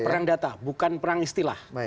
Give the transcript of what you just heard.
perang data bukan perang istilah